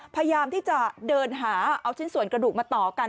พยายามที่จะเดินหาเอาชิ้นส่วนกระดูกมาต่อกัน